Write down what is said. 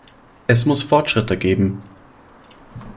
Es muss Fortschritte geben.